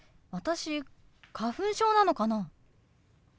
私花粉症なのかな？